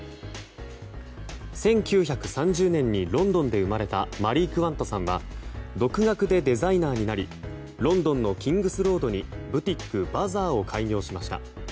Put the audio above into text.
１９３０年にロンドンで生まれたマリー・クワントさんは独学でデザイナーになりロンドンのキングス・ロードにブティック、バザーを開業しました。